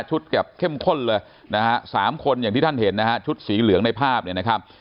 แบบเข้มข้นเลยนะฮะสามคนอย่างที่ท่านเห็นนะฮะชุดสีเหลืองในภาพเนี่ยนะครับ